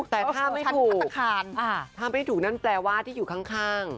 แต่ถ้าไม่ถูกถ้าไม่ถูกนั้นแปลว่าที่อยู่ข้าง